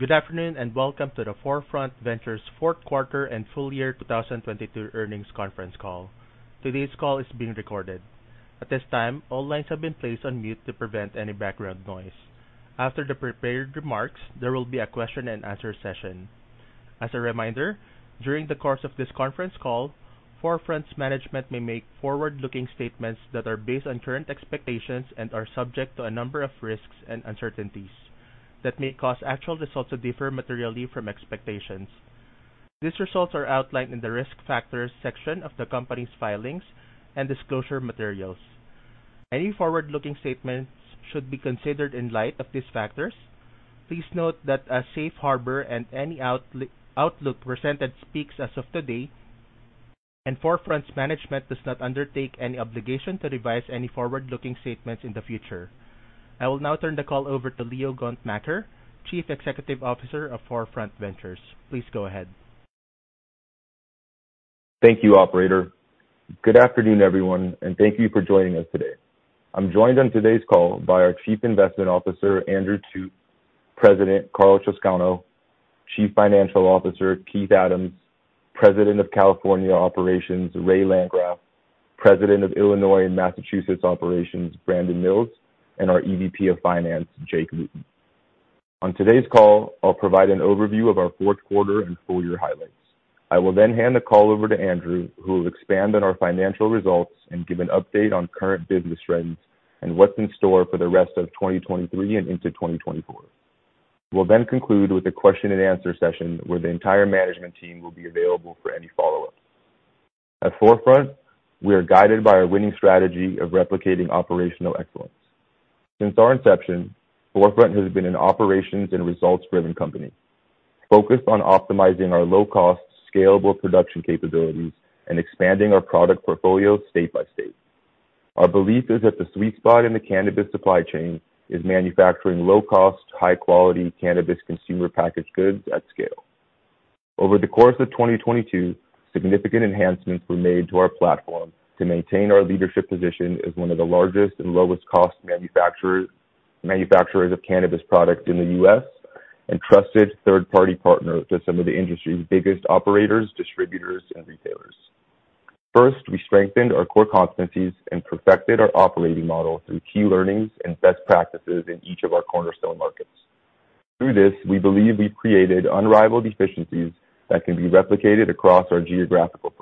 Good afternoon, welcome to the 4Front Ventures fourth quarter and full year 2022 earnings conference call. Today's call is being recorded. At this time, all lines have been placed on mute to prevent any background noise. After the prepared remarks, there will be a question-and-answer session. As a reminder, during the course of this conference call, 4Front's management may make forward-looking statements that are based on current expectations and are subject to a number of risks and uncertainties that may cause actual results to differ materially from expectations. These results are outlined in the Risk Factors section of the company's filings and disclosure materials. Any forward-looking statements should be considered in light of these factors. Please note that a safe harbor and any outlook presented speaks as of today, 4Front's management does not undertake any obligation to revise any forward-looking statements in the future. I will now turn the call over to Leo Gontmakher, Chief Executive Officer of 4Front Ventures. Please go ahead. Thank you, operator. Good afternoon, everyone, thank you for joining us today. I'm joined on today's call by our Chief Investment Officer, Andrew Thut; President, Karl Chowscano; Chief Financial Officer, Keith Adams; President of California Operations, Ray Landgraf; President of Illinois and Massachusetts Operations, Brandon Mills; and our EVP of Finance, Jake Wooten. On today's call, I'll provide an overview of our fourth quarter and full year highlights. I will hand the call over to Andrew, who will expand on our financial results and give an update on current business trends and what's in store for the rest of 2023 and into 2024. We'll conclude with a question-and-answer session where the entire management team will be available for any follow-ups. At 4Front, we are guided by our winning strategy of replicating operational excellence. Since our inception, 4Front has been an operations and results-driven company, focused on optimizing our low-cost, scalable production capabilities and expanding our product portfolio state by state. Our belief is that the sweet spot in the cannabis supply chain is manufacturing low-cost, high-quality cannabis consumer packaged goods at scale. Over the course of 2022, significant enhancements were made to our platform to maintain our leadership position as one of the largest and lowest cost manufacturers of cannabis products in the U.S. and trusted third-party partner to some of the industry's biggest operators, distributors, and retailers. First, we strengthened our core competencies and perfected our operating model through key learnings and best practices in each of our cornerstone markets. Through this, we believe we've created unrivaled efficiencies that can be replicated across our geographical footprint.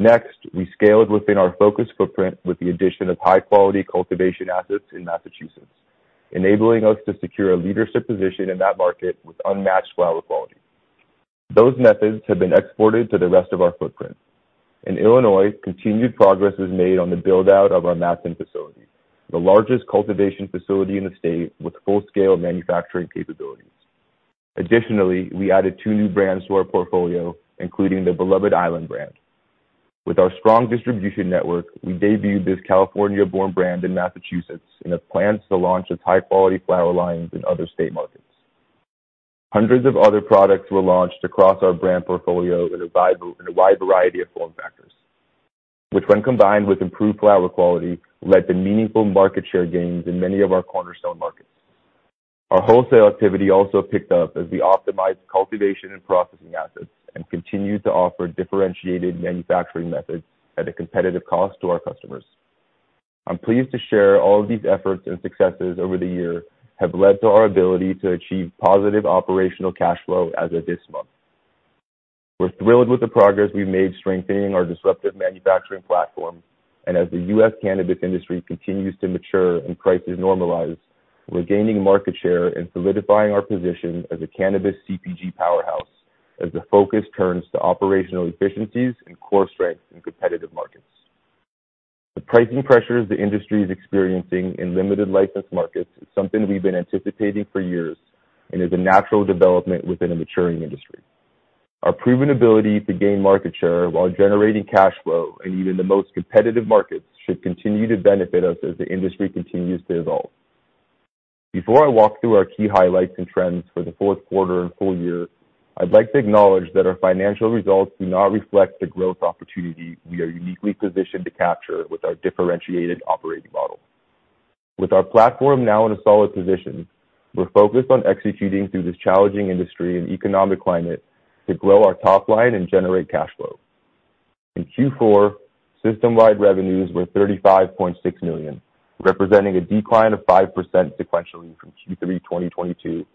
Next, we scaled within our focus footprint with the addition of high-quality cultivation assets in Massachusetts, enabling us to secure a leadership position in that market with unmatched flower quality. Those methods have been exported to the rest of our footprint. In Illinois, continued progress was made on the build-out of our Matteson facility, the largest cultivation facility in the state with full-scale manufacturing capabilities. Additionally, we added two new brands to our portfolio, including the beloved Island brand. With our strong distribution network, we debuted this California-born brand in Massachusetts and have plans to launch its high-quality Island Flower lines in other state markets. Hundreds of other products were launched across our brand portfolio in a wide variety of form factors, which when combined with improved flower quality, led to meaningful market share gains in many of our cornerstone markets. Our wholesale activity also picked up as we optimized cultivation and processing assets and continued to offer differentiated manufacturing methods at a competitive cost to our customers. I'm pleased to share all of these efforts and successes over the year have led to our ability to achieve positive operational cash flow as of this month. We're thrilled with the progress we've made strengthening our disruptive manufacturing platform. As the U.S. cannabis industry continues to mature and prices normalize, we're gaining market share and solidifying our position as a cannabis CPG powerhouse as the focus turns to operational efficiencies and core strengths in competitive markets. The pricing pressures the industry is experiencing in limited license markets is something we've been anticipating for years and is a natural development within a maturing industry. Our proven ability to gain market share while generating cash flow in even the most competitive markets should continue to benefit us as the industry continues to evolve. Before I walk through our key highlights and trends for the fourth quarter and full year, I'd like to acknowledge that our financial results do not reflect the growth opportunity we are uniquely positioned to capture with our differentiated operating model. With our platform now in a solid position, we're focused on executing through this challenging industry and economic climate to grow our top line and generate cash flow. In Q4, system-wide revenues were $35.6 million, representing a decline of 5% sequentially from Q3 2022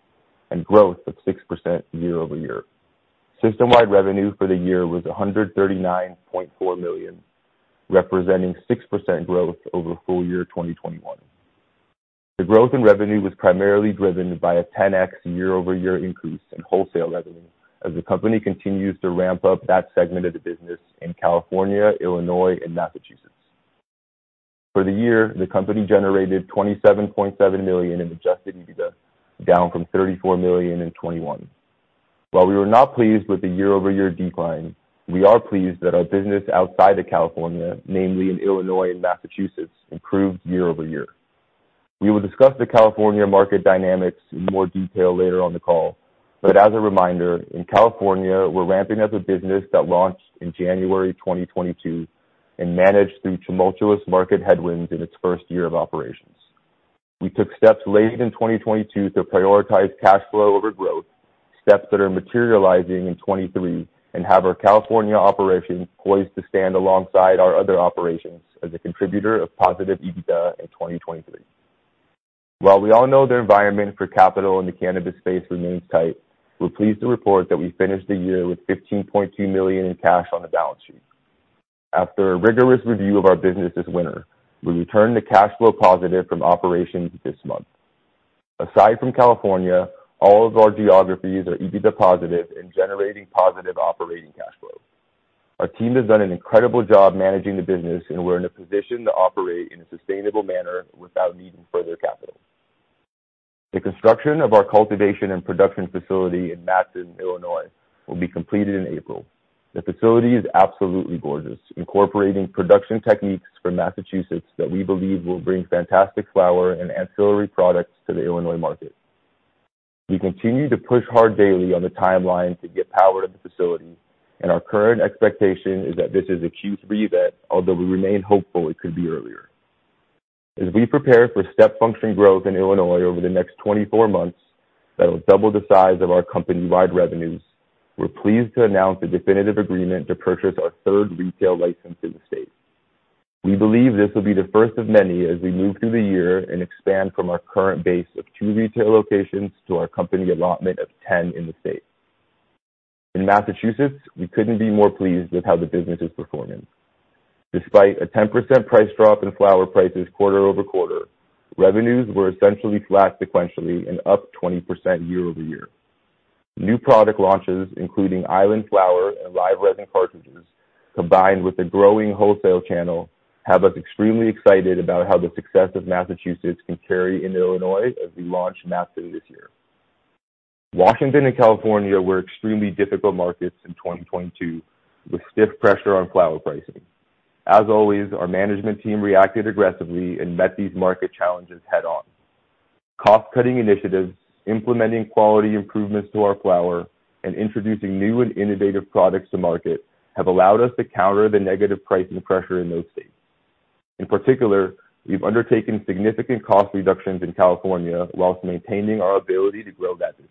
and growth of 6% year-over-year. System-wide revenue for the year was $139.4 million, representing 6% growth over full year 2021. The growth in revenue was primarily driven by a 10x year-over-year increase in wholesale revenue as the company continues to ramp up that segment of the business in California, Illinois, and Massachusetts. For the year, the company generated $27.7 million in adjusted EBITDA, down from $34 million in 2021. While we were not pleased with the year-over-year decline, we are pleased that our business outside of California, namely in Illinois and Massachusetts, improved year-over-year. We will discuss the California market dynamics in more detail later on the call. As a reminder, in California, we're ramping up a business that launched in January 2022. Managed through tumultuous market headwinds in its first year of operations. We took steps late in 2022 to prioritize cash flow over growth, steps that are materializing in 2023, and have our California operations poised to stand alongside our other operations as a contributor of positive EBITDA in 2023. While we all know the environment for capital in the cannabis space remains tight, we're pleased to report that we finished the year with $15.2 million in cash on the balance sheet. After a rigorous review of our business this winter, we returned to cash flow positive from operations this month. Aside from California, all of our geographies are EBITDA positive and generating positive operating cash flow. Our team has done an incredible job managing the business, and we're in a position to operate in a sustainable manner without needing further capital. The construction of our cultivation and production facility in Matteson, Illinois, will be completed in April. The facility is absolutely gorgeous, incorporating production techniques from Massachusetts that we believe will bring fantastic flower and ancillary products to the Illinois market. We continue to push hard daily on the timeline to get power to the facility, and our current expectation is that this is a Q3 event, although we remain hopeful it could be earlier. As we prepare for step function growth in Illinois over the next 24 months that will double the size of our company-wide revenues, we're pleased to announce a definitive agreement to purchase our third retail license in the state. We believe this will be the first of many as we move through the year and expand from our current base of two retail locations to our company allotment of 10 in the state. In Massachusetts, we couldn't be more pleased with how the business is performing. Despite a 10% price drop in flower prices quarter-over-quarter, revenues were essentially flat sequentially and up 20% year-over-year. New product launches, including Island Flower and live resin cartridges, combined with a growing wholesale channel, have us extremely excited about how the success of Massachusetts can carry into Illinois as we launch Matteson this year. Washington and California were extremely difficult markets in 2022, with stiff pressure on flower pricing. As always, our management team reacted aggressively and met these market challenges head on. Cost-cutting initiatives, implementing quality improvements to our flower, and introducing new and innovative products to market have allowed us to counter the negative pricing pressure in those states. In particular, we've undertaken significant cost reductions in California while maintaining our ability to grow that business.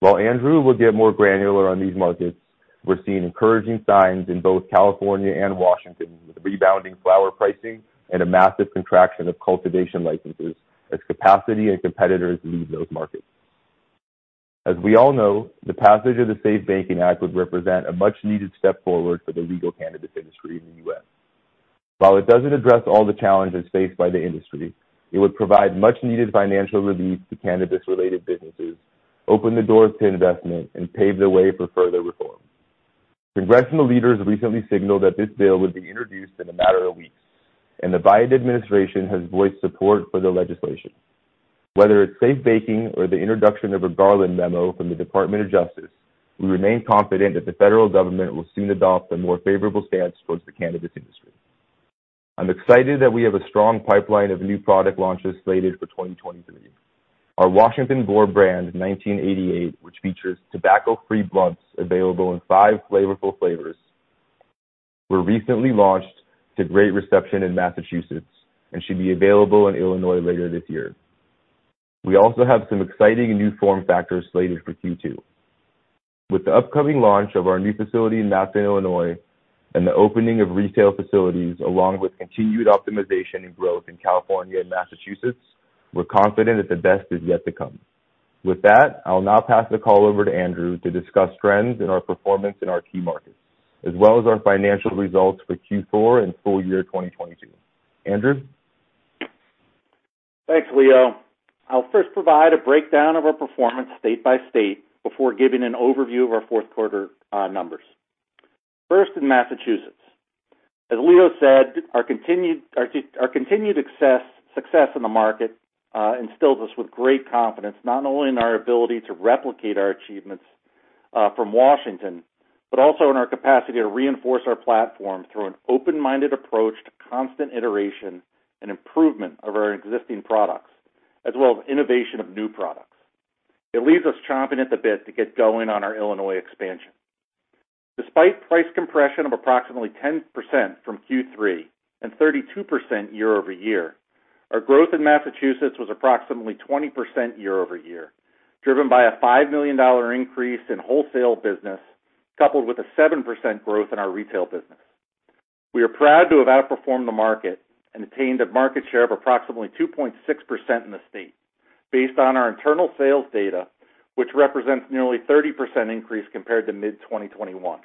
While Andrew will get more granular on these markets, we're seeing encouraging signs in both California and Washington with rebounding flower pricing and a massive contraction of cultivation licenses as capacity and competitors leave those markets. As we all know, the passage of the SAFE Banking Act would represent a much-needed step forward for the legal cannabis industry in the U.S. While it doesn't address all the challenges faced by the industry, it would provide much-needed financial relief to cannabis-related businesses, open the doors to investment, and pave the way for further reform. Congressional leaders recently signaled that this bill would be introduced in a matter of weeks, and the Biden administration has voiced support for the legislation. Whether it's safe banking or the introduction of a Garland memo from the Department of Justice, we remain confident that the federal government will soon adopt a more favorable stance towards the cannabis industry. I'm excited that we have a strong pipeline of new product launches slated for 2023. Our Washington board brand, 1988, which features tobacco-free blunts available in five flavorful flavors, were recently launched to great reception in Massachusetts and should be available in Illinois later this year. We also have some exciting new form factors slated for Q2. With the upcoming launch of our new facility in Matteson, Illinois, and the opening of retail facilities, along with continued optimization and growth in California and Massachusetts, we're confident that the best is yet to come. With that, I will now pass the call over to Andrew to discuss trends in our performance in our key markets, as well as our financial results for Q4 and full year 2022. Andrew? Thanks, Leo. I'll first provide a breakdown of our performance state by state before giving an overview of our fourth quarter numbers. First, in Massachusetts. As Leo said, our continued success in the market instills us with great confidence, not only in our ability to replicate our achievements from Washington, but also in our capacity to reinforce our platform through an open-minded approach to constant iteration and improvement of our existing products, as well as innovation of new products. It leaves us chomping at the bit to get going on our Illinois expansion. Despite price compression of approximately 10% from Q3 and 32% year-over-year, our growth in Massachusetts was approximately 20% year-over-year, driven by a $5 million increase in wholesale business coupled with a 7% growth in our retail business. We are proud to have outperformed the market and attained a market share of approximately 2.6% in the state based on our internal sales data, which represents nearly 30% increase compared to mid-2021.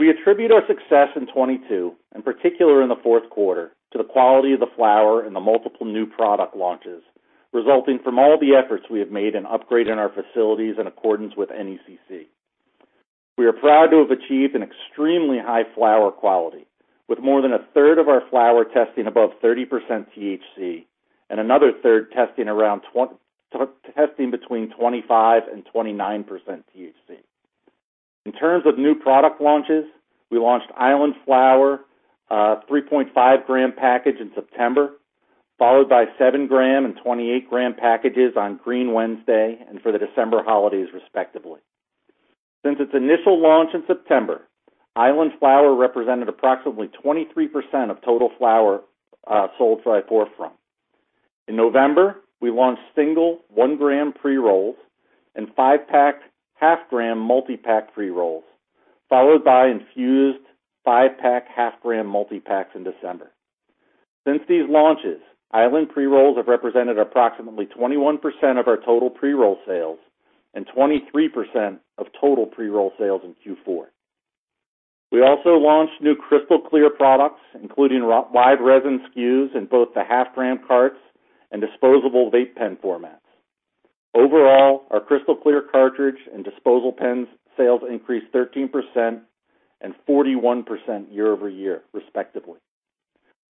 We attribute our success in 2022, in particular in the fourth quarter, to the quality of the flower and the multiple new product launches resulting from all the efforts we have made in upgrading our facilities in accordance with NECC. We are proud to have achieved an extremely high flower quality with more than 1/3 of our flower testing above 30% THC and another 1/3 testing between 25% and 29% THC. In terms of new product launches, we launched Island Flower 3.5-g package in September, followed by 7-g and 28-g packages on Green Wednesday and for the December holidays, respectively. Since its initial launch in September, Island Flower represented approximately 23% of total flower sold by 4Front. In November, we launched single 1-g pre-rolls and five-pack 0.5-g multi-pack pre-rolls, followed by infused five-pack 0.5-g multi-packs in December. Since these launches, Island pre-rolls have represented approximately 21% of our total pre-roll sales and 23% of total pre-roll sales in Q4. We also launched new Crystal Clear products, including live resin SKUs in both the 0.5-g carts and disposable vape pen formats. Overall, our Crystal Clear cartridge and disposable pens sales increased 13% and 41% year-over-year, respectively.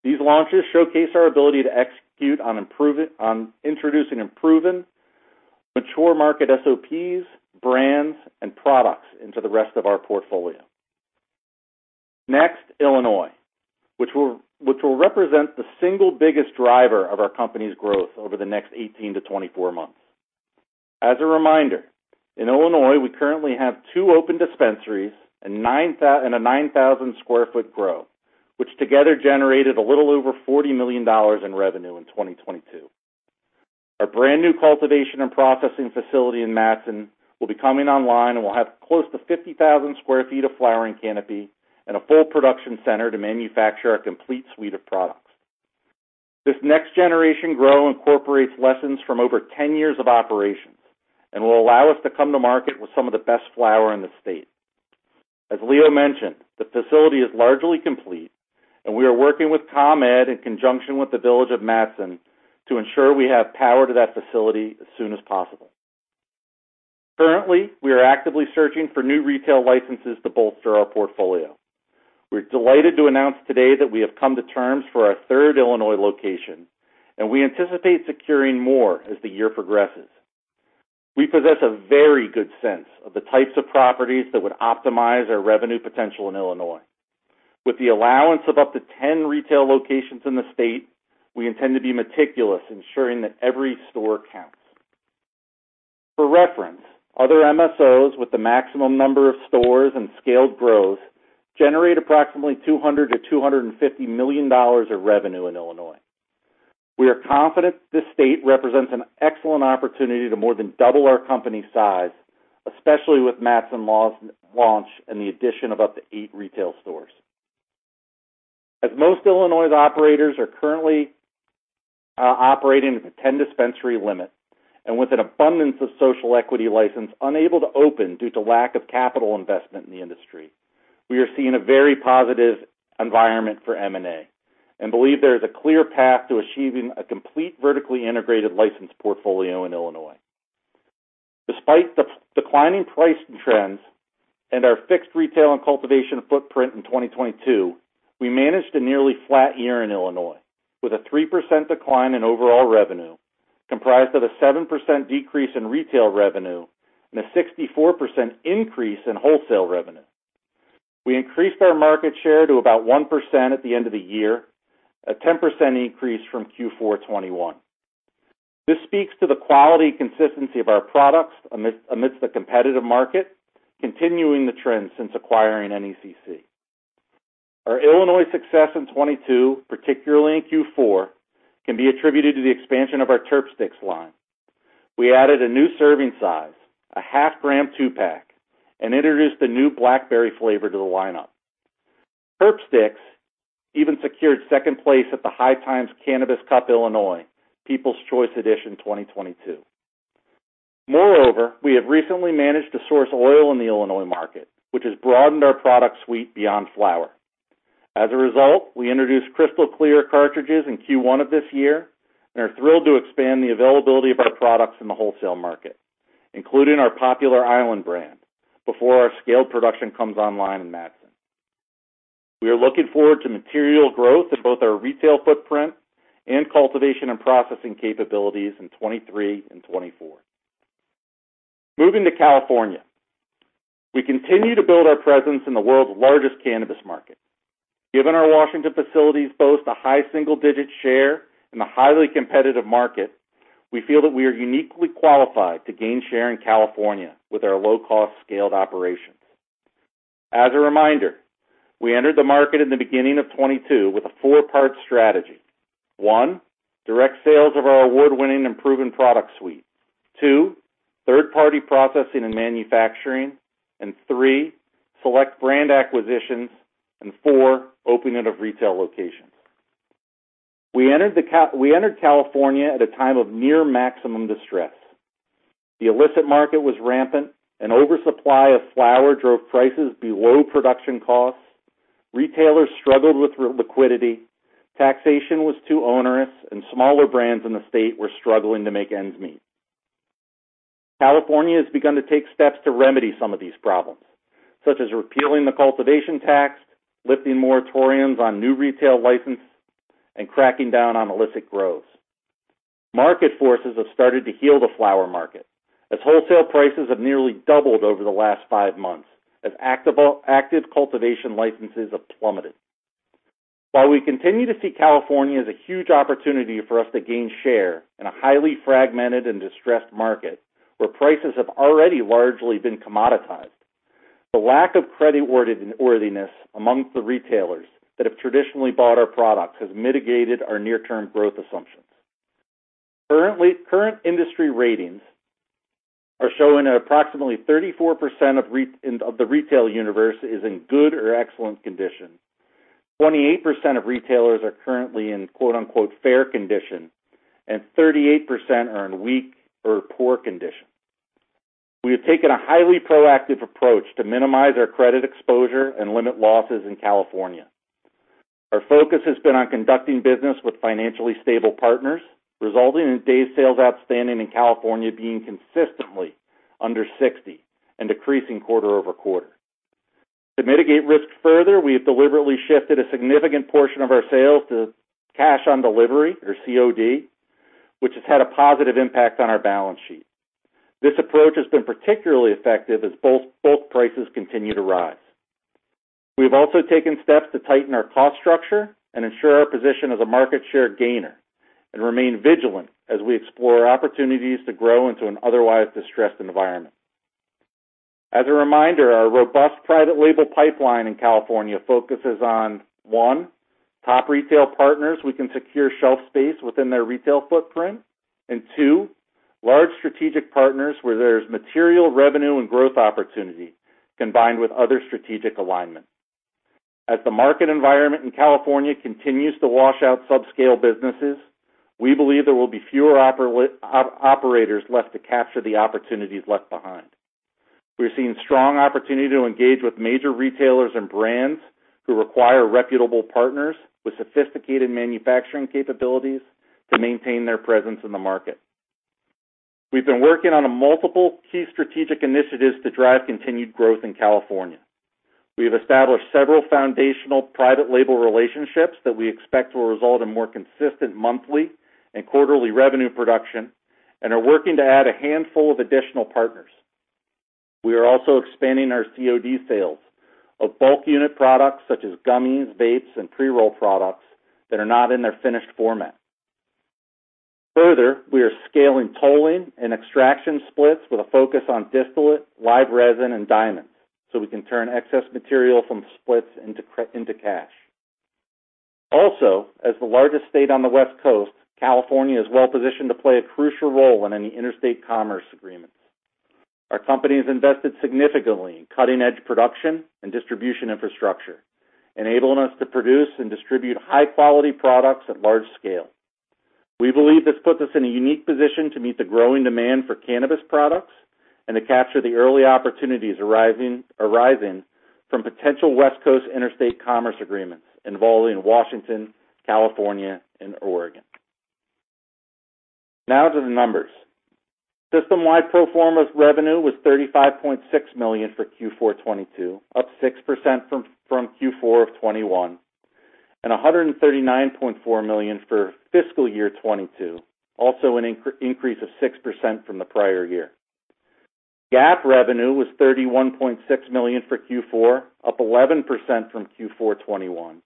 These launches showcase our ability to execute on introducing improving mature market SOPs, brands, and products into the rest of our portfolio. Illinois, which will represent the single biggest driver of our company's growth over the next 18 to 24 months. As a reminder, in Illinois, we currently have two open dispensaries and a 9,000 sq ft grow, which together generated a little over $40 million in revenue in 2022. Our brand new cultivation and processing facility in Matteson will be coming online and will have close to 50,000 sq ft of flowering canopy and a full production center to manufacture our complete suite of products. This next generation grow incorporates lessons from over 10 years of operations and will allow us to come to market with some of the best flower in the state. As Leo mentioned, the facility is largely complete and we are working with ComEd in conjunction with the village of Matteson to ensure we have power to that facility as soon as possible. Currently, we are actively searching for new retail licenses to bolster our portfolio. We are delighted to announce today that we have come to terms for our third Illinois location, and we anticipate securing more as the year progresses. We possess a very good sense of the types of properties that would optimize our revenue potential in Illinois. With the allowance of up to 10 retail locations in the state, we intend to be meticulous ensuring that every store counts. For reference, other MSOs with the maximum number of stores and scaled growth generate approximately $200 million-$250 million of revenue in Illinois. We are confident this state represents an excellent opportunity to more than double our company size, especially with Matteson facility launch and the addition of up to eight retail stores. Most Illinois operators are currently operating at the 10 dispensary limit and with an abundance of social equity license unable to open due to lack of capital investment in the industry, we are seeing a very positive environment for M&A and believe there is a clear path to achieving a complete vertically integrated license portfolio in Illinois. Despite the declining pricing trends and our fixed retail and cultivation footprint in 2022, we managed a nearly flat year in Illinois with a 3% decline in overall revenue, comprised of a 7% decrease in retail revenue and a 64% increase in wholesale revenue. We increased our market share to about 1% at the end of the year, a 10% increase from Q4 2021. This speaks to the quality and consistency of our products amidst the competitive market, continuing the trend since acquiring NECC. Our Illinois success in 2022, particularly in Q4, can be attributed to the expansion of our Terp Stix line. We added a new serving size, a 0.5-g two-pack, and introduced a new blackberry flavor to the lineup. Terp Stix even secured second place at the High Times Cannabis Cup Illinois People's Choice Edition 2022. We have recently managed to source oil in the Illinois market, which has broadened our product suite beyond flower. As a result, we introduced Crystal Clear cartridges in Q1 of this year and are thrilled to expand the availability of our products in the wholesale market, including our popular Island brand, before our scaled production comes online in Matteson. We are looking forward to material growth in both our retail footprint and cultivation and processing capabilities in 2023 and 2024. Moving to California, we continue to build our presence in the world's largest cannabis market. Given our Washington facilities boast a high single-digit share in a highly competitive market, we feel that we are uniquely qualified to gain share in California with our low-cost, scaled operations. As a reminder, we entered the market in the beginning of 2022 with a four-part strategy. One, direct sales of our award-winning and proven product suite. Two, third-party processing and manufacturing. Three, select brand acquisitions. Four, opening of retail locations. We entered California at a time of near maximum distress. The illicit market was rampant. An oversupply of flower drove prices below production costs. Retailers struggled with re-liquidity. Taxation was too onerous. Smaller brands in the state were struggling to make ends meet. California has begun to take steps to remedy some of these problems, such as repealing the cultivation tax, lifting moratoriums on new retail licenses, and cracking down on illicit growth. Market forces have started to heal the flower market as wholesale prices have nearly doubled over the last five months as active cultivation licenses have plummeted. While we continue to see California as a huge opportunity for us to gain share in a highly fragmented and distressed market where prices have already largely been commoditized, the lack of creditworthiness amongst the retailers that have traditionally bought our products has mitigated our near-term growth assumptions. Currently, current industry ratings are showing that approximately 34% of the retail universe is in good or excellent condition. 28% of retailers are currently in quote-unquote fair condition, and 38% are in weak or poor condition. We have taken a highly proactive approach to minimize our credit exposure and limit losses in California. Our focus has been on conducting business with financially stable partners, resulting in day sales outstanding in California being consistently under 60 and decreasing quarter-over-quarter. To mitigate risk further, we have deliberately shifted a significant portion of our sales to cash on delivery, or COD, which has had a positive impact on our balance sheet. This approach has been particularly effective as both prices continue to rise. We've also taken steps to tighten our cost structure and ensure our position as a market share gainer and remain vigilant as we explore opportunities to grow into an otherwise distressed environment. As a reminder, our robust private label pipeline in California focuses on, one, top retail partners we can secure shelf space within their retail footprint. Two, large strategic partners where there's material revenue and growth opportunity combined with other strategic alignment. As the market environment in California continues to wash out subscale businesses, we believe there will be fewer operators left to capture the opportunities left behind. We're seeing strong opportunity to engage with major retailers and brands who require reputable partners with sophisticated manufacturing capabilities to maintain their presence in the market. We've been working on a multiple key strategic initiatives to drive continued growth in California. We have established several foundational private label relationships that we expect will result in more consistent monthly and quarterly revenue production and are working to add a handful of additional partners. We are also expanding our COD sales of bulk unit products such as gummies, vapes, and pre-roll products that are not in their finished format. We are scaling tolling and extraction splits with a focus on distillate, live resin, and diamonds, so we can turn excess material from splits into cash. As the largest state on the West Coast, California is well-positioned to play a crucial role in any interstate commerce agreements. Our company has invested significantly in cutting-edge production and distribution infrastructure, enabling us to produce and distribute high-quality products at large scale. We believe this puts us in a unique position to meet the growing demand for cannabis products and to capture the early opportunities arising from potential West Coast interstate commerce agreements involving Washington, California, and Oregon. To the numbers. system-wide pro forma revenue was $35.6 million for Q4 2022, up 6% from Q4 2021, and $139.4 million for fiscal year 2022, also an increase of 6% from the prior year. GAAP revenue was $31.6 million for Q4, up 11% from Q4 2021,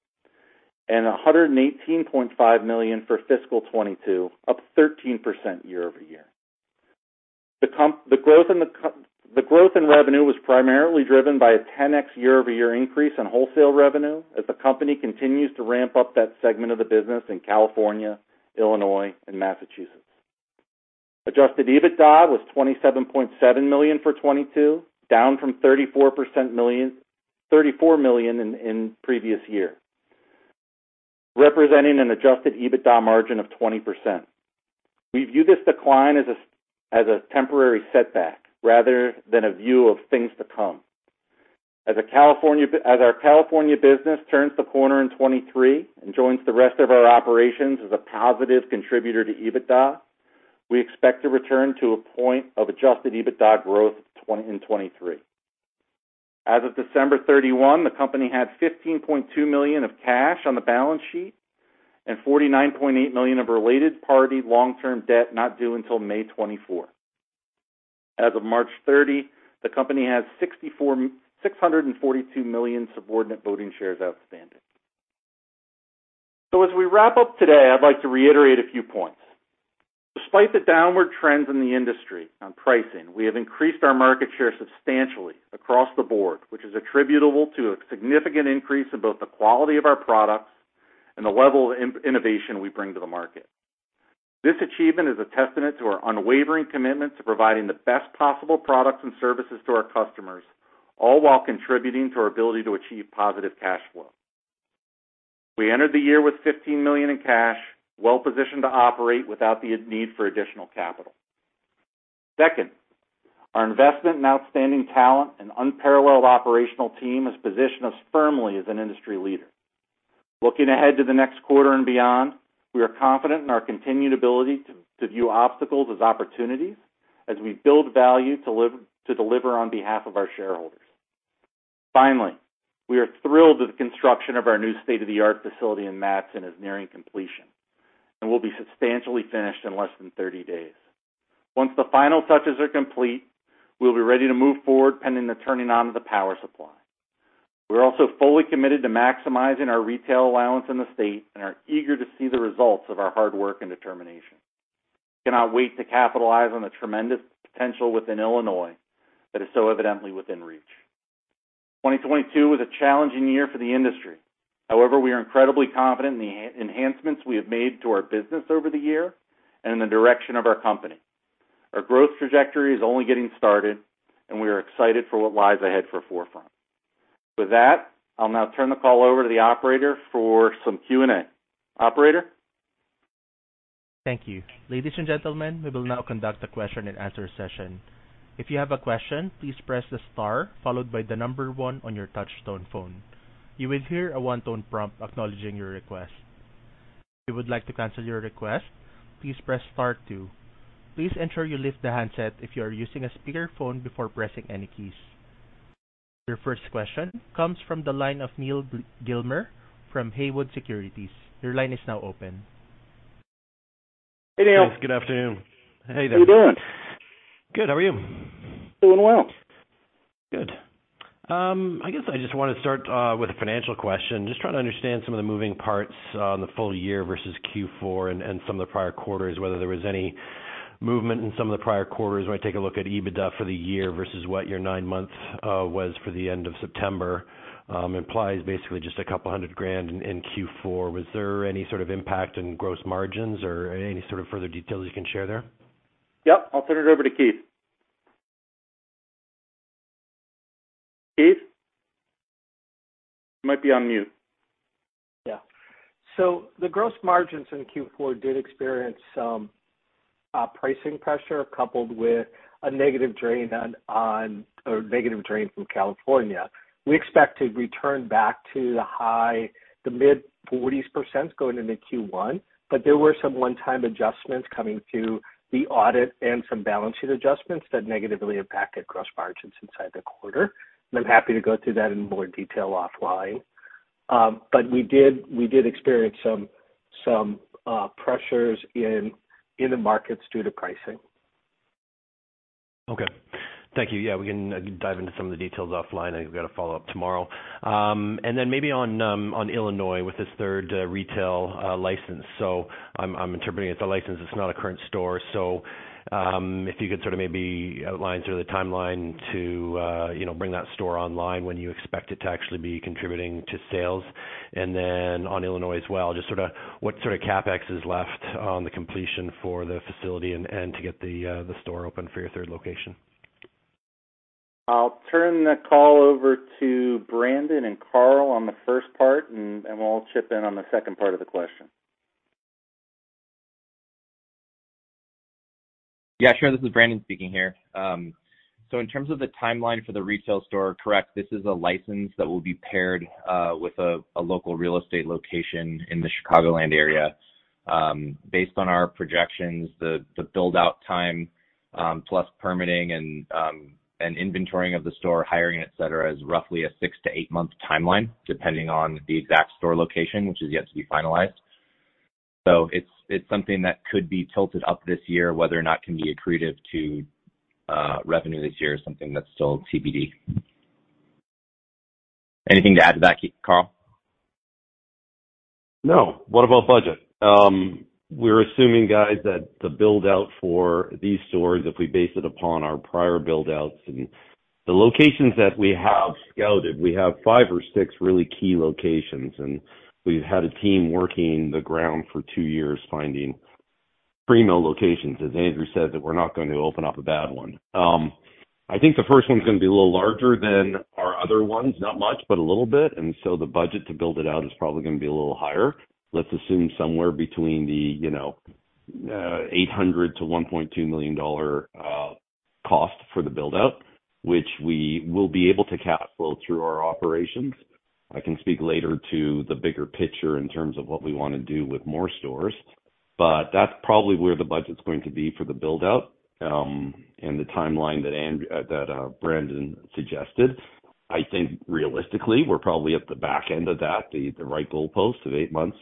and $118.5 million for fiscal 2022, up 13% year-over-year. The growth in revenue was primarily driven by a 10x year-over-year increase in wholesale revenue as the company continues to ramp up that segment of the business in California, Illinois, and Massachusetts. Adjusted EBITDA was $27.7 million for 2022, down from $34 million in previous year, representing an adjusted EBITDA margin of 20%. We view this decline as a temporary setback rather than a view of things to come. As our California business turns the corner in 2023 and joins the rest of our operations as a positive contributor to EBITDA, we expect to return to a point of adjusted EBITDA growth in 2023. As of December 31st, the company had $15.2 million of cash on the balance sheet and $49.8 million of related party long-term debt not due until May 24th. As of March 30th, the company has 642 million subordinate voting shares outstanding. As we wrap up today, I'd like to reiterate a few points. Despite the downward trends in the industry on pricing, we have increased our market share substantially across the board, which is attributable to a significant increase in both the quality of our products and the level of innovation we bring to the market. This achievement is a testament to our unwavering commitment to providing the best possible products and services to our customers, all while contributing to our ability to achieve positive cash flow. We entered the year with $15 million in cash, well-positioned to operate without the need for additional capital. Second, our investment in outstanding talent and unparalleled operational team has positioned us firmly as an industry leader. Looking ahead to the next quarter and beyond, we are confident in our continued ability to view obstacles as opportunities as we build value to deliver on behalf of our shareholders. We are thrilled with the construction of our new state-of-the-art facility in Matteson is nearing completion and will be substantially finished in less than 30 days. Once the final touches are complete, we'll be ready to move forward pending the turning on of the power supply. We're also fully committed to maximizing our retail allowance in the state and are eager to see the results of our hard work and determination. Cannot wait to capitalize on the tremendous potential within Illinois that is so evidently within reach. 2022 was a challenging year for the industry. We are incredibly confident in the enhancements we have made to our business over the year and in the direction of our company. Our growth trajectory is only getting started and we are excited for what lies ahead for 4Front. With that, I'll now turn the call over to the operator for some Q&A. Operator? Thank you. Ladies and gentlemen, we will now conduct a question-and-answer session. If you have a question, please press the star followed by the number one on your touch tone phone. You will hear a one-tone prompt acknowledging your request. If you would like to cancel your request, please press star two. Please ensure you lift the handset if you are using a speakerphone before pressing any keys. Your first question comes from the line of Neal Gilmer from Haywood Securities. Your line is now open. Hey, Neal. Thanks. Good afternoon. How you doing? Good. How are you? Doing well. Good. I guess I just want to start with a financial question. Just trying to understand some of the moving parts on the full year versus Q4 and some of the prior quarters, whether there was any movement in some of the prior quarters. When I take a look at EBITDA for the year versus what your nine months was for the end of September, implies basically just a $couple hundred grand in Q4. Was there any sort of impact on gross margins or any sort of further details you can share there? Yep. I'll turn it over to Keith. Keith? You might be on mute. Yeah. The gross margins in Q4 did experience some pricing pressure coupled with a negative drain from California. We expect to return back to the mid-40s% going into Q1, there were some one-time adjustments coming through the audit and some balance sheet adjustments that negatively impacted gross margins inside the quarter. I'm happy to go through that in more detail offline. We did experience some pressures in the markets due to pricing. Okay. Thank you. Yeah, we can dive into some of the details offline. I've got a follow-up tomorrow. Maybe on Illinois with this third retail license. I'm interpreting it's a license. It's not a current store. If you could sort of maybe outline sort of the timeline to, you know, bring that store online, when you expect it to actually be contributing to sales. On Illinois as well, just sort of what sort of CapEx is left on the completion for the facility and to get the store open for your third location. I'll turn the call over to Brandon and Karl on the first part, and we'll all chip in on the second part of the question. Yeah, sure. This is Brandon speaking here. In terms of the timeline for the retail store, correct. This is a license that will be paired with a local real estate location in the Chicagoland area. Based on our projections, the build-out time, plus permitting and inventorying of the store, hiring, et cetera, is roughly a six to eight month timeline, depending on the exact store location, which is yet to be finalized. It's something that could be tilted up this year. Whether or not it can be accretive to revenue this year is something that's still TBD. Anything to add to that, Karl? No. What about budget? We're assuming, guys, that the build-out for these stores, if we base it upon our prior build-outs and the locations that we have scouted, we have five or six really key locations, and we've had a team working the ground for two years finding premium locations, as Andrew said, that we're not going to open up a bad one. I think the first one's gonna be a little larger than our other ones. Not much, but a little bit. The budget to build it out is probably gonna be a little higher. Let's assume somewhere between the, you know, $800,000 and $1.2 million cost for the build-out, which we will be able to capital through our operations. I can speak later to the bigger picture in terms of what we wanna do with more stores, but that's probably where the budget's going to be for the build-out, and the timeline that Brandon suggested. I think realistically, we're probably at the back end of that, the right goalpost of eight months,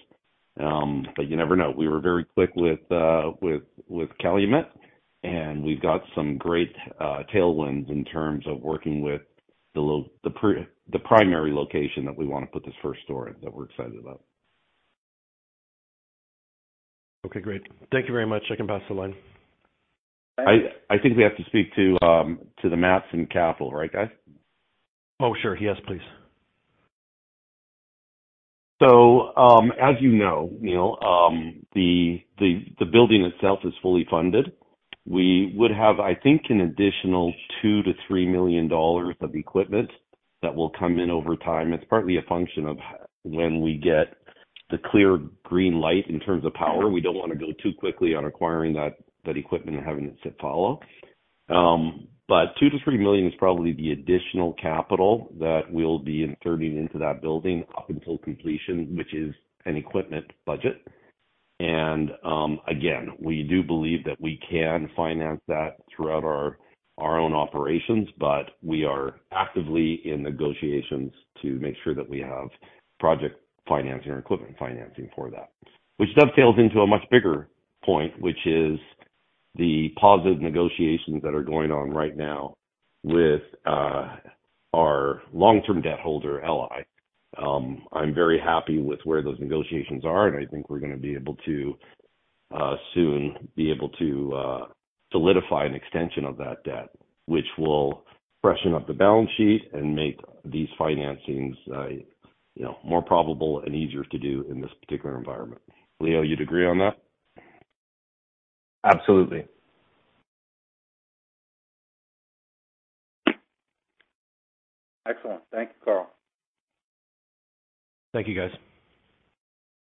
but you never know. We were very quick with Calumet, and we've got some great tailwinds in terms of working with the primary location that we wanna put this first store in, that we're excited about. Okay, great. Thank you very much. I can pass the line. I think we have to speak to the Matteson capital, right, guys? Oh, sure. Yes, please. As you know, Neal, the building itself is fully funded. We would have, I think, an additional $2 million-$3 million of equipment that will come in over time. It's partly a function of when we get the clear green light in terms of power. We don't wanna go too quickly on acquiring that equipment and having it sit fallow. $2 million-$3 million is probably the additional capital that we'll be inserting into that building up until completion, which is an equipment budget. Again, we do believe that we can finance that throughout our own operations, but we are actively in negotiations to make sure that we have project financing or equipment financing for that. Which dovetails into a much bigger point, which is the positive negotiations that are going on right now with our long-term debt holder, LI Lending. I'm very happy with where those negotiations are, and I think we're gonna be able to soon be able to solidify an extension of that debt, which will freshen up the balance sheet and make these financings, you know, more probable and easier to do in this particular environment. Leo, you'd agree on that? Absolutely. Excellent. Thank you, Karl. Thank you, guys. Of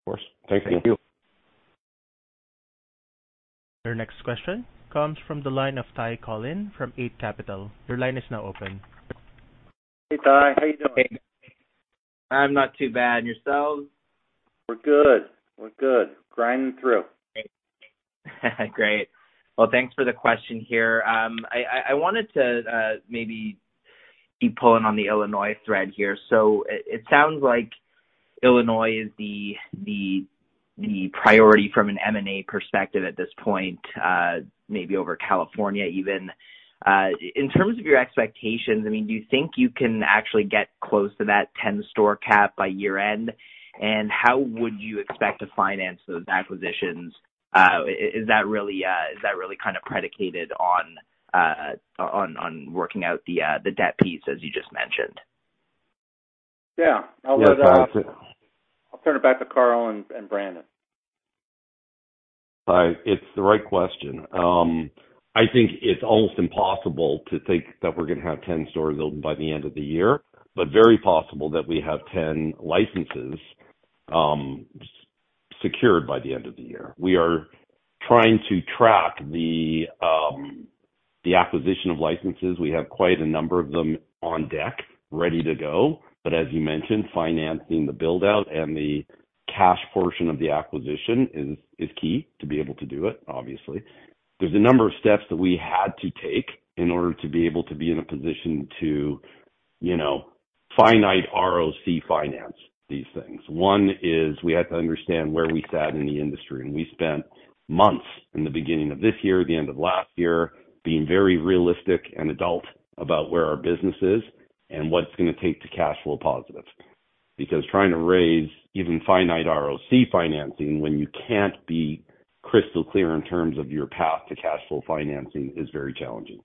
course. Thank you. Thank you. Your next question comes from the line of Ty Collin from Eight Capital. Your line is now open. Hey, Ty. How you doing? I'm not too bad. Yourselves? We're good. We're good. Grinding through. Great. Well, thanks for the question here. I wanted to maybe keep pulling on the Illinois thread here. It sounds like Illinois is the priority from an M&A perspective at this point, maybe over California even. In terms of your expectations, I mean, do you think you can actually get close to that 10-store cap by year-end? How would you expect to finance those acquisitions? Is that really kind of predicated on working out the debt piece as you just mentioned? Yeah. I'll let, I'll turn it back to Karl and Brandon. Ty, it's the right question. I think it's almost impossible to think that we're gonna have 10 stores open by the end of the year, but very possible that we have 10 licenses secured by the end of the year. We are trying to track the acquisition of licenses. We have quite a number of them on deck ready to go. As you mentioned, financing the build-out and the cash portion of the acquisition is key to be able to do it, obviously. There's a number of steps that we had to take in order to be able to be in a position to, you know, finite ROC finance these things. One is we had to understand where we sat in the industry, and we spent months in the beginning of this year, the end of last year, being very realistic and adult about where our business is and what it's gonna take to cash flow positive. Trying to raise even finite ROC financing when you can't be crystal clear in terms of your path to cash flow financing is very challenging.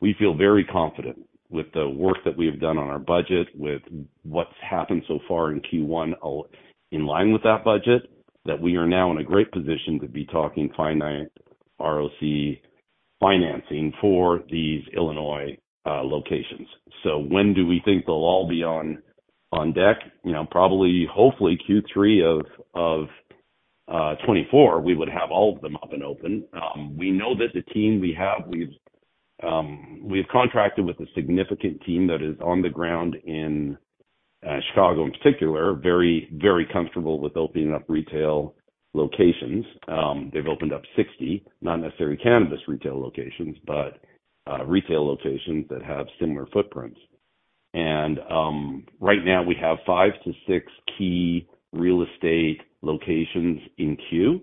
We feel very confident with the work that we have done on our budget, with what's happened so far in Q1 all in line with that budget, that we are now in a great position to be talking finite ROC financing for these Illinois locations. When do we think they'll all be on deck? You know, probably, hopefully Q3 of 2024, we would have all of them up and open. We know that the team we've contracted with a significant team that is on the ground in Chicago in particular, very, very comfortable with opening up retail locations. They've opened up 60, not necessarily cannabis retail locations, but retail locations that have similar footprints. Right now we have five to six key real estate locations in queue.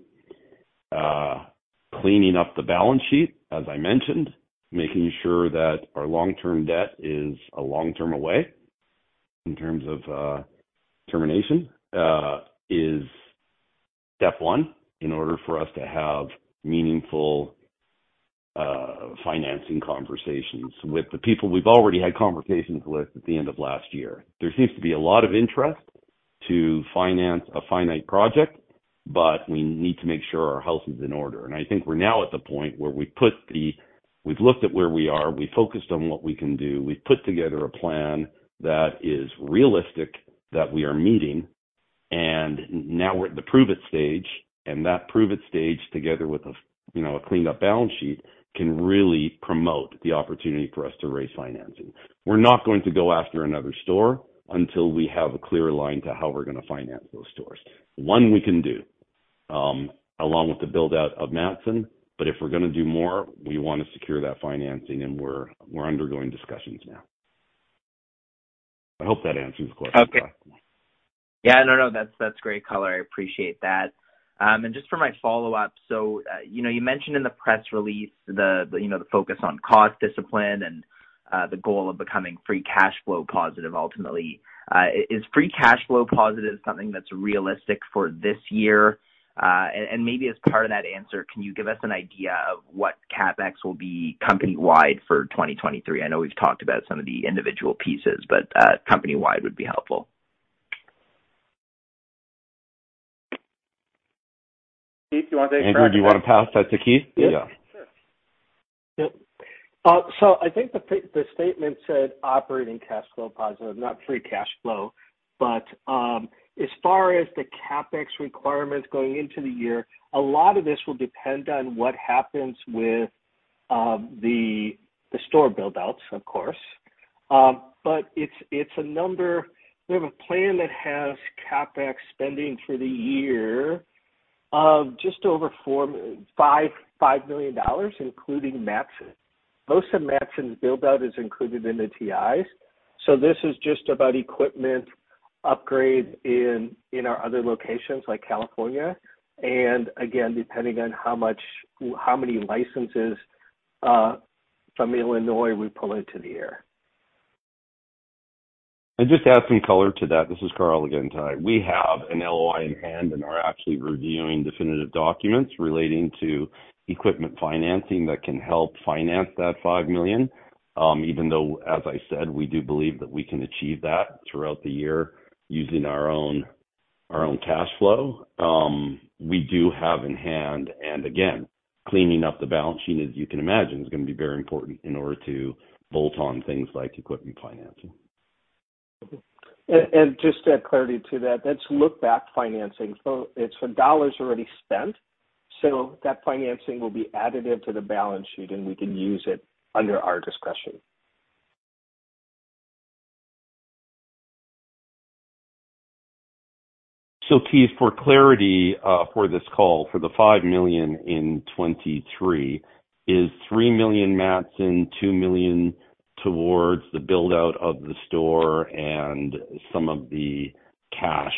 Cleaning up the balance sheet, as I mentioned, making sure that our long-term debt is a long-term away in terms of termination, is step one in order for us to have meaningful financing conversations with the people we've already had conversations with at the end of last year. There seems to be a lot of interest to finance a finite project, but we need to make sure our house is in order. I think we're now at the point where We've looked at where we are, we focused on what we can do. We've put together a plan that is realistic, that we are meeting, and now we're at the prove it stage. That prove it stage together with a you know, a cleaned up balance sheet, can really promote the opportunity for us to raise financing. We're not going to go after another store until we have a clear line to how we're gonna finance those stores. One we can do along with the build-out of Matteson, but if we're gonna do more, we wanna secure that financing and we're undergoing discussions now. I hope that answers the question, Ty. That's, that's great color. I appreciate that. Just for my follow-up. You know, you mentioned in the press release, you know, the focus on cost discipline and the goal of becoming free cash flow positive ultimately. Is free cash flow positive something that's realistic for this year? And maybe as part of that answer, can you give us an idea of what CapEx will be company-wide for 2023? I know we've talked about some of the individual pieces, but company-wide would be helpful. Keith, you want to take a crack at that? Andrew, do you wanna pass that to Keith? Yeah. Sure. Yep. I think the statement said operating cash flow positive, not free cash flow. As far as the CapEx requirements going into the year, a lot of this will depend on what happens with the store build-outs, of course. It's a number. We have a plan that has CapEx spending for the year of just over $5 million, including Matteson. Most of Matteson's build-out is included in the TIs. This is just about equipment upgrades in our other locations like California. Again, depending on how many licenses from Illinois we pull into the air. Just to add some color to that, this is Karl again, Ty. We have an LOI in hand and are actually reviewing definitive documents relating to equipment financing that can help finance that $5 million. Even though, as I said, we do believe that we can achieve that throughout the year using our own, our own cash flow. We do have in hand, again, cleaning up the balance sheet, as you can imagine, is going to be very important in order to bolt on things like equipment financing. Just to add clarity to that's look-back financing. It's for dollars already spent. That financing will be additive to the balance sheet, and we can use it under our discretion. Keith, for clarity, for this call, for the $5 million in 2023 is $3 million Matteson, $2 million towards the build-out of the store and some of the cash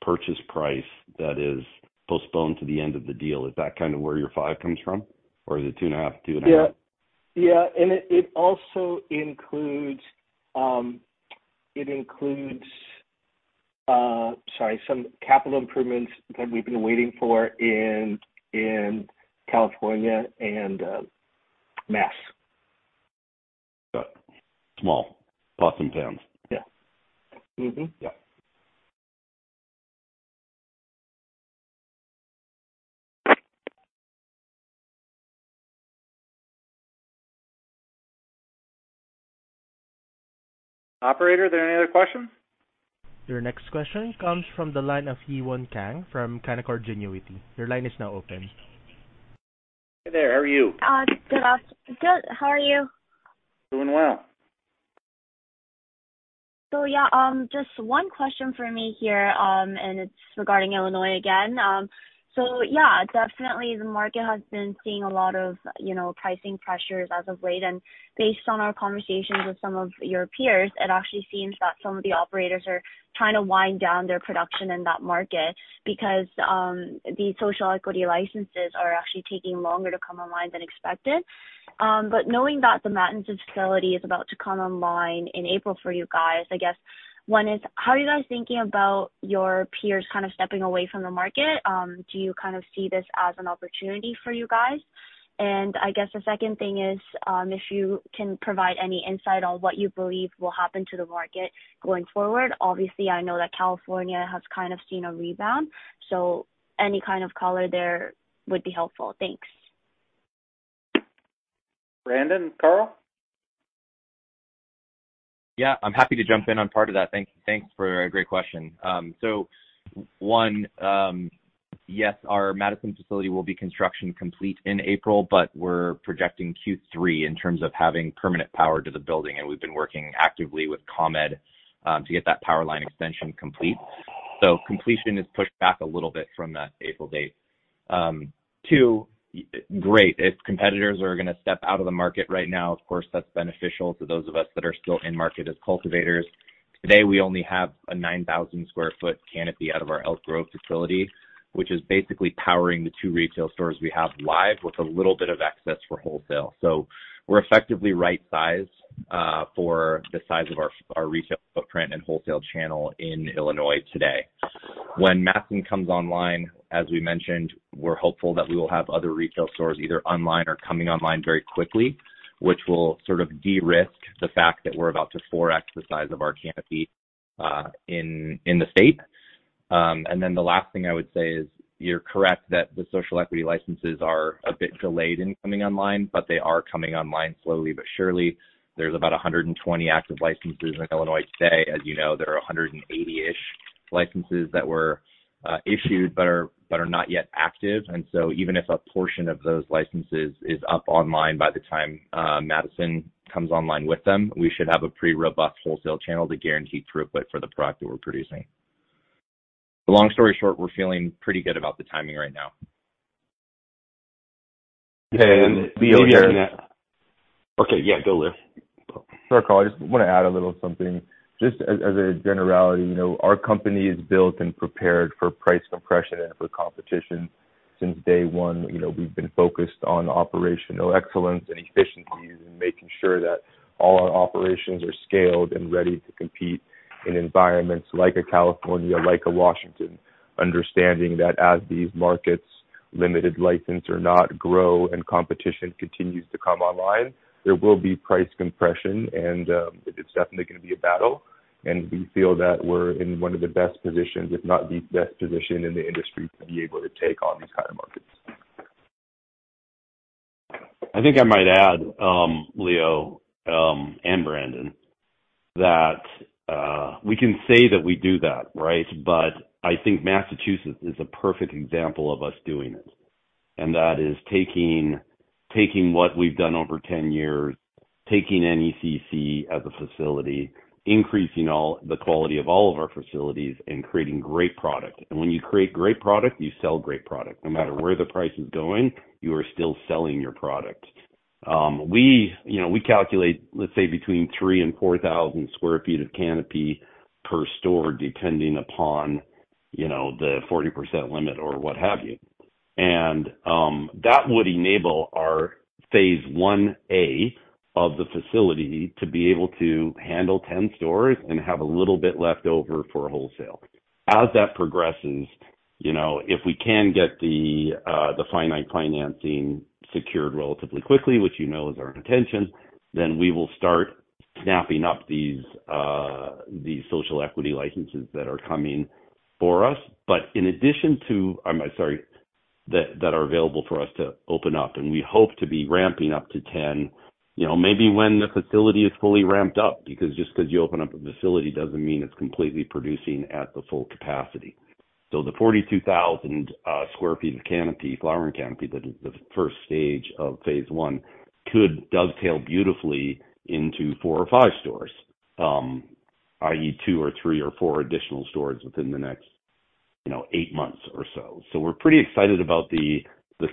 purchase price that is postponed to the end of the deal. Is that kind of where your $5 million comes from? Or is it $2.5 million? $2.5 million? Yeah. Yeah. It also includes, sorry, some capital improvements that we've been waiting for in California and Mass. Got it. Small. Awesome towns. Yeah. Mm-hmm. Yeah. Operator, are there any other questions? Your next question comes from the line of Yewon Kang from Canaccord Genuity. Your line is now open. Hey there. How are you? Good. How are you? Doing well. Yeah. Just one question for me here, and it's regarding Illinois again. Yeah, definitely the market has been seeing a lot of, you know, pricing pressures as of late. Based on our conversations with some of your peers, it actually seems that some of the operators are trying to wind down their production in that market because the social equity licenses are actually taking longer to come online than expected. Knowing that the Matteson facility is about to come online in April for you guys, I guess one is, how are you guys thinking about your peers kind of stepping away from the market? Do you kind of see this as an opportunity for you guys? I guess the second thing is, if you can provide any insight on what you believe will happen to the market going forward. Obviously, I know that California has kind of seen a rebound, any kind of color there would be helpful. Thanks. Brandon, Karl? Yeah, I'm happy to jump in on part of that. Thanks for a great question. One, yes, our Matteson facility will be construction complete in April, but we're projecting Q3 in terms of having permanent power to the building. We've been working actively with ComEd to get that power line extension complete. Completion is pushed back a little bit from that April date. Two, great. If competitors are gonna step out of the market right now, of course, that's beneficial to those of us that are still in market as cultivators. Today, we only have a 9,000 sq ft canopy out of our Elk Grove facility, which is basically powering the two retail stores we have live with a little bit of excess for wholesale. We're effectively right size for the size of our retail footprint and wholesale channel in Illinois today. When Matteson comes online, as we mentioned, we're hopeful that we will have other retail stores either online or coming online very quickly, which will sort of de-risk the fact that we're about to 4x the size of our canopy in the state. The last thing I would say is, you're correct that the social equity licenses are a bit delayed in coming online, but they are coming online slowly but surely. There's about 120 active licenses in Illinois today. As you know, there are 180-ish licenses that were issued but are not yet active. Even if a portion of those licenses is up online by the time Matteson comes online with them, we should have a pretty robust wholesale channel to guarantee throughput for the product that we're producing. Long story short, we're feeling pretty good about the timing right now. Leo here. Maybe I can add. Okay. Yeah, go Leo. Sure, Karl. I just want to add a little something. Just as a generality, you know, our company is built and prepared for price compression and for competition. Since day one, you know, we've been focused on operational excellence and efficiencies and making sure that all our operations are scaled and ready to compete in environments like a California, like a Washington. Understanding that as these markets, limited license or not, grow and competition continues to come online, there will be price compression and it is definitely going to be a battle. We feel that we're in one of the best positions, if not the best position in the industry, to be able to take on these kind of markets. I think I might add, Leo and Brandon, that we can say that we do that, right? I think Massachusetts is a perfect example of us doing it. That is taking what we've done over 10 years, taking NECC as a facility, increasing the quality of all of our facilities, and creating great product. When you create great product, you sell great product. No matter where the price is going, you are still selling your product. We, you know, we calculate, let's say, between 3,000 and 4,000 sq ft of canopy per store, depending upon, you know, the 40% limit or what have you. That would enable our phase 1A of the facility to be able to handle 10 stores and have a little bit left over for wholesale. As that progresses, you know, if we can get the finite financing secured relatively quickly, which you know is our intention, then we will start snapping up these social equity licenses that are coming for us. I'm sorry, that are available for us to open up, and we hope to be ramping up to 10, you know, maybe when the facility is fully ramped up, because just because you open up a facility doesn't mean it's completely producing at the full capacity. The 42,000 sq ft of canopy, flowering canopy, the first stage of Phase 1 could dovetail beautifully into four or five stores, i.e., two or three or four additional stores within the next, you know, eight months or so. We're pretty excited about the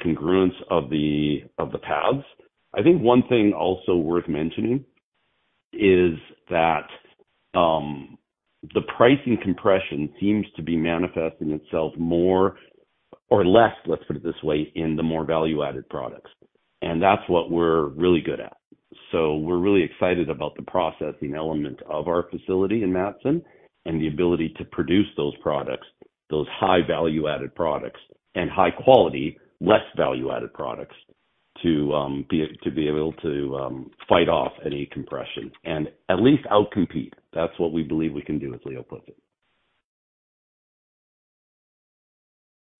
congruence of the, of the paths. I think one thing also worth mentioning is that the pricing compression seems to be manifesting itself more or less, let's put it this way, in the more value-added products. That's what we're really good at. We're really excited about the processing element of our facility in Matteson and the ability to produce those products, those high value-added products and high quality, less value-added products to be able to fight off any compression and at least outcompete. That's what we believe we can do with Leo.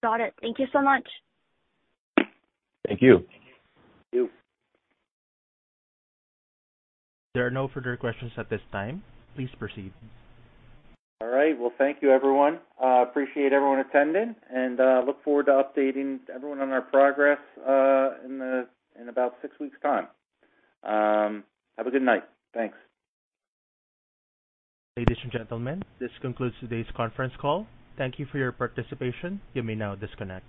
Got it. Thank you so much. Thank you. Thank you. There are no further questions at this time. Please proceed. All right. Well, thank you everyone. Appreciate everyone attending and look forward to updating everyone on our progress in about six weeks time. Have a good night. Thanks. Ladies and gentlemen, this concludes today's conference call. Thank you for your participation. You may now disconnect.